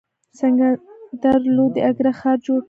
سکندر لودي اګره ښار جوړ کړ.